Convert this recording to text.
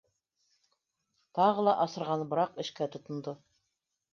Тағы ла асырғаныбыраҡ эшкә тотондо